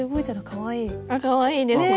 かわいいですね。